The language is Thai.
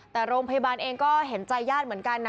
แต่โรงพยาบาลเองก็เห็นใจญาติเหมือนกันนะ